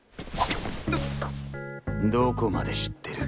どこまで知ってる？